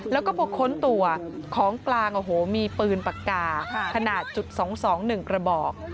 แล้วก็พอค้นตัวของกลางโอ้โหมีปืนปากกาขนาดจุด๒๒๑กระบอก